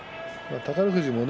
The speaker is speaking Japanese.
宝富士もね